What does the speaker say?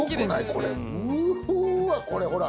これうわこれほら。